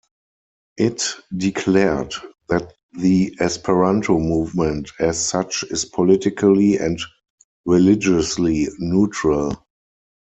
It declared that the Esperanto movement as such is politically and religiously neutral.